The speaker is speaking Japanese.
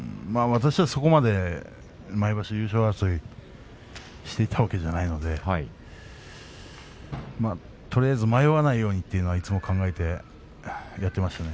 私は、そこまで毎場所優勝争いをしていたわけではないので、とりあえず迷わないようにというのは考えてやっていましたね。